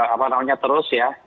apa namanya terus ya